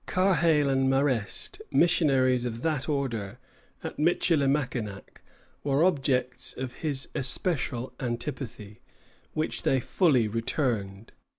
Carheil and Marest, missionaries of that order at Michilimackinac, were objects of his especial antipathy, which they fully returned.